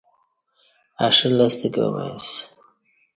اݜہ لستہ کہ اومئیسہ۔